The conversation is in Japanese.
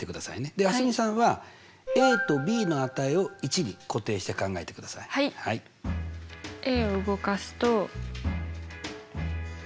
で蒼澄さんはとｂの値を１に固定して考えてください。を動かすと。